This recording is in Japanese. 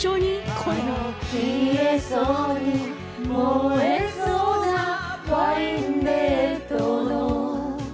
「あの消えそうに燃えそうなワインレッドの」